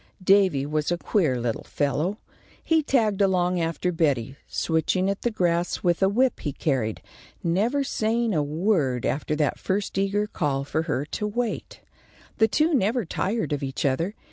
Davy was a queer little fellow. He tagged along after Betty, switching at the grass with a whip he carried, never saying a word after that first eager call for her to wait. The two never tired of each other.